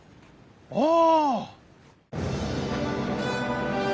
ああ！